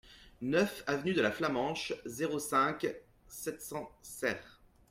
neuf avenue de la Flamenche, zéro cinq, sept cents Serres